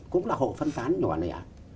cũng là hộ phân tán nhỏ nẻ